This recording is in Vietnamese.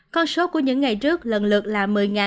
con số của những ngày trước lần lượt là